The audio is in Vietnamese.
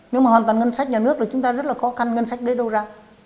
nếu mà hoàn toàn ngân sách nhà nước là chúng ta rất là khó khăn ngân sách đấy đâu ra